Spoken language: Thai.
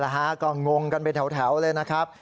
นี่แหละก็งงกันไปแถวเลยนะครับ